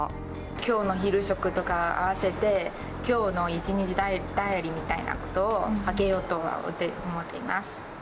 きょうの昼食とか合わせて、きょうの１日ダイアリーみたいなことを上げようとは思っています。